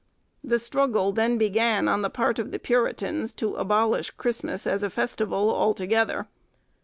The struggle then began on the part of the Puritans to abolish Christmas as a festival altogether.